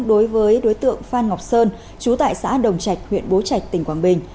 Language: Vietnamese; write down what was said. đối với đối tượng phan ngọc sơn trú tại xã đồng trạch huyện bố trạch tỉnh quảng bình